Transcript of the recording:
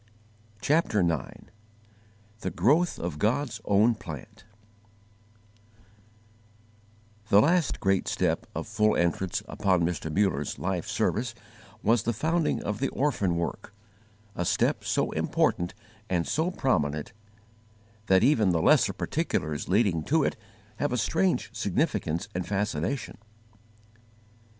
CHAPTER IX THE GROWTH OF GOD'S OWN PLANT THE last great step of full entrance upon Mr. Muller's life service was the founding of the orphan work, a step so important and so prominent that even the lesser particulars leading to it have a strange significance and fascination.